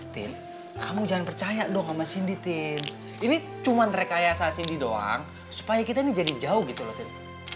tim kamu jangan percaya dong sama cindy tim ini cuma rekayasa cindy doang supaya kita ini jadi jauh gitu loh tim